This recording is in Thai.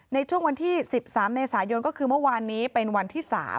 ในช่วงวันที่๑๓เมษายนก็คือเมื่อวานนี้เป็นวันที่๓